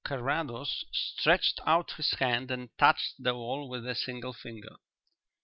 Carrados stretched out his hand and touched the wall with a single finger.